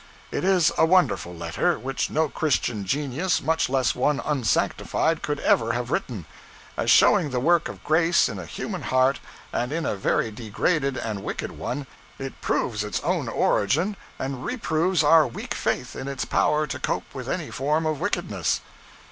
It is a wonderful letter, which no Christian genius, much less one unsanctified, could ever have written. As showing the work of grace in a human heart, and in a very degraded and wicked one, it proves its own origin and reproves our weak faith in its power to cope with any form of wickedness.